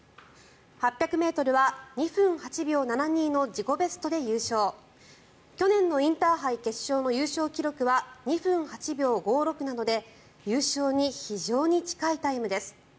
８００ｍは２分８秒７２の自己ベストで優勝去年のインターハイ決勝の優勝記録は２分８秒５６なので優勝に非常に近いタイムです。